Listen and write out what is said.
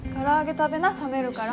食べな冷めるから。